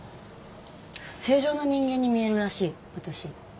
正常な人間に見えるらしい私。